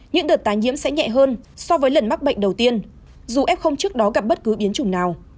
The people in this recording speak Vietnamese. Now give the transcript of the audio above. những đợt tái nhiễm sẽ nhẹ hơn so với lần mắc bệnh đầu tiên dù f trước đó gặp bất cứ biến chủng nào